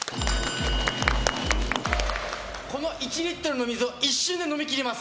この１リットルの水を一瞬で飲み切ります。